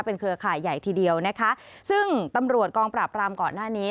เครือข่ายใหญ่ทีเดียวนะคะซึ่งตำรวจกองปราบรามก่อนหน้านี้